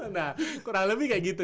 nah kurang lebih kayak gitu